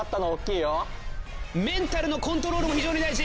メンタルのコントロールも非常に大事。